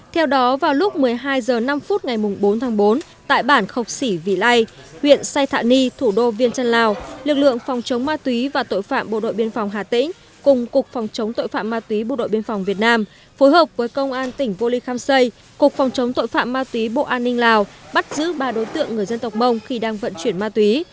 theo đó vào lúc một mươi hai h năm phút ngày bốn tháng bốn tại bản khọc sỉ vĩ lây huyện sai thạ ni thủ đô viên trân lào lực lượng phòng chống ma túy và tội phạm bộ đội biên phòng hà tĩnh cùng cục phòng chống tội phạm ma túy bộ đội biên phòng việt nam phối hợp với công an tỉnh vô lý kham xây cục phòng chống tội phạm ma túy bộ an ninh lào bắt giữ ba đối tượng người dân tộc mông khi đang vận chuyển ma túy